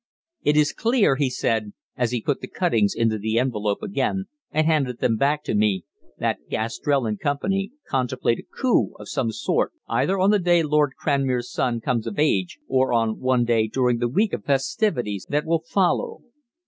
"It is clear," he said, as he put the cuttings into the envelope again and handed them back to me, "that Gastrell and company contemplate a coup of some sort either on the day Lord Cranmere's son comes of age, or on one day during the week of festivities that will follow.